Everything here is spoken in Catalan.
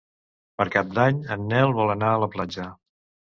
Per Cap d'Any en Nel vol anar a la platja.